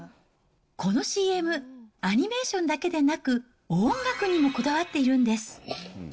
このＣＭ、アニメーションだけでなく、音楽にもこだわっているんです。